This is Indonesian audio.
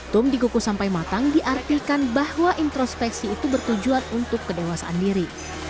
tum diguku sampai matang diartikan bahwa introspeksi itu bertujuan untuk kedewasaan diri